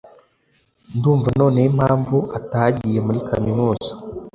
Ndumva noneho impamvu atagiye muri kaminuza